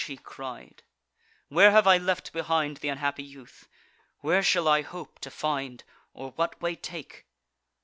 he cried, "where have I left behind Th' unhappy youth? where shall I hope to find? Or what way take?"